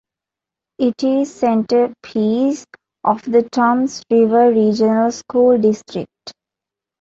It is the centerpiece of the Toms River Regional School District.